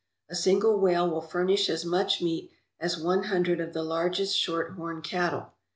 A single whale will furnish as much meat as one hundred of the largest Shorthorn cattle.